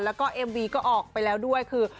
แล้วก็เอ็มวีก็ออกไปแล้วด้วยคือ